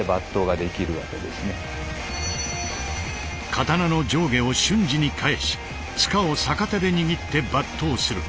刀の上下を瞬時に返し柄を逆手で握って抜刀する。